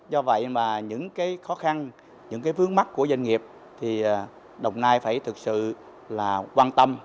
do vậy mà những cái khó khăn những cái vướng mắt của doanh nghiệp thì đồng nai phải thực sự là quan tâm